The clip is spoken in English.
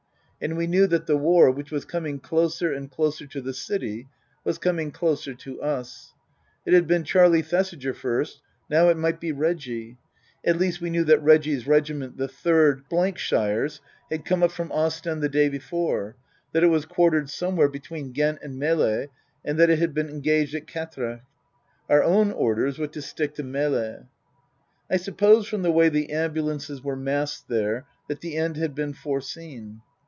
And we knew that the war, which was coming closer and closer to the city, was coming closer to us. It had been Charlie Thesiger first, now it might be Reggie. At least, we knew that Reggie's regiment, the Third shires, had come up from Ostend the day before, that it was quartered somewhere between Ghent and Melle, and that it had been engaged at Quatrecht. Our own orders were to stick to Melle. I suppose from the way the ambulances were massec there that the end had been foreseen.